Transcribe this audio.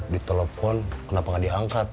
ditelepon kenapa nggak diangkat